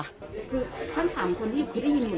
คือทั้ง๓คนที่อยู่เขาได้ยินหมดเลย